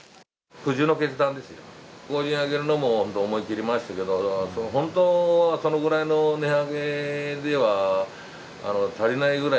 ５０円上げるのも思い切りましたけど、本当はそのぐらいの値上げでは足りないぐらい。